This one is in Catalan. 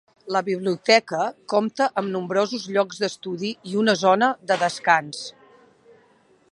La biblioteca compta amb nombrosos llocs d'estudi i una zona de descans.